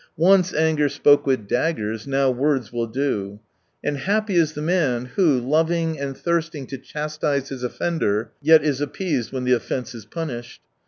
Once anger spoke with daggers, now words will do. And happy is the man who, loving and thirsting to chastise his offender, yet is appeased when the offence is punished.